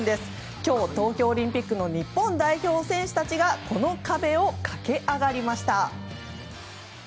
今日、東京オリンピックの日本代表選手たちがこの壁を駆け上がりました。